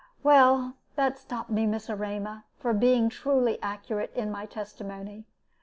"Well, that stopped me, Miss Erema, from being truly accurate in my testimony.